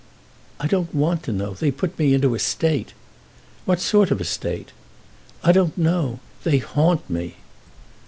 "I don't want to know; they put me into a state." "What sort of a state?" "I don't know; they haunt me."